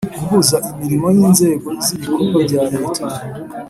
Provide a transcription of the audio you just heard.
Guhuza Imirimo y inzego z ibikorwa bya leta